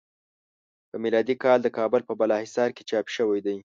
په میلادی کال د کابل په بالا حصار کې چاپ شوی دی.